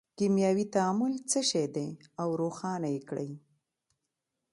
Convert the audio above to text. کیمیاوي تعامل څه شی دی او روښانه یې کړئ.